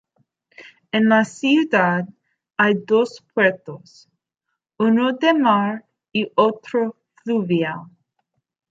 En la ciudad hay dos puertos, uno de mar y otro fluvial.